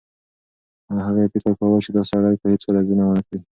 هغې فکر کاوه چې دا سړی به هیڅکله ظلم ونه کړي.